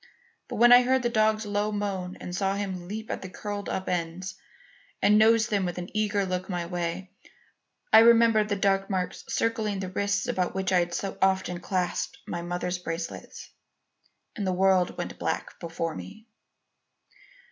But when I heard the dog's low moan and saw him leap at the curled up ends, and nose them with an eager look my way, I remembered the dark marks circling the wrists about which I had so often clasped my mother's bracelets, and the world went black before me.